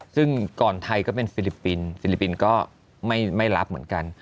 ซึ่งก่อนไทยก็เป็นฟิลิปปินส์ฟิลิปปินส์ก็ไม่รับเหมือนกัน